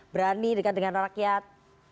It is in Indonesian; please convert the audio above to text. berani dengan rakyat